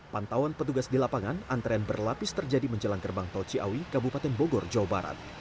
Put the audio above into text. pantauan petugas di lapangan antrean berlapis terjadi menjelang gerbang tol ciawi kabupaten bogor jawa barat